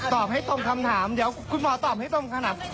ให้ตรงคำถามเดี๋ยวคุณหมอตอบให้ตรงขนาด